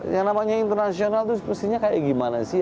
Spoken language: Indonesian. yang namanya internasional itu sepertinya kayak gimana sih